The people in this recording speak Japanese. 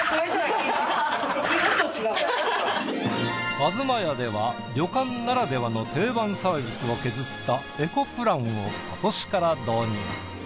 あづまやでは旅館ならではの定番サービスを削ったエコプランを今年から導入。